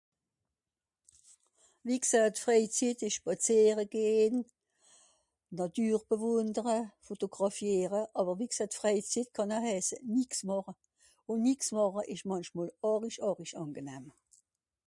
Wie gsèit Frèizitt ìsch spàzìere gehn, d'Natür bewùndere, photogràfiere, àwer wie gsèit Frèizitt kànn oe hèise nix màch. Ùn nix màche ìsch mànchmol àrisch àrisch àngenahm.